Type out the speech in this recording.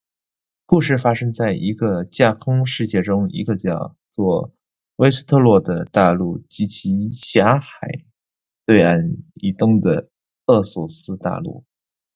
故事发生在一个架空世界中一个叫做维斯特洛的大陆及其狭海对岸以东的厄索斯大陆。